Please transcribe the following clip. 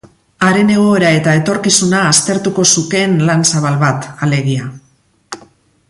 Haren egoera eta etorkizuna aztertuko zukeen lan zabal bat, alegia.